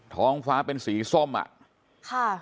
ท้องฟ้าเป็นสีส้มอ่ะค่ะ